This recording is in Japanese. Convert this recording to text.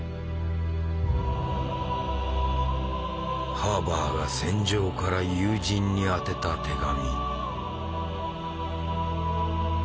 ハーバーが戦場から友人に宛てた手紙。